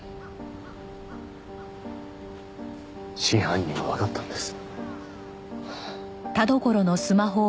真犯人はわかったんです。